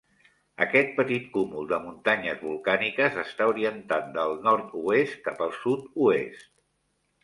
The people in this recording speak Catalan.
Aquest petit cúmul de muntanyes volcàniques està orientat del nord-oest cap al sud-oest.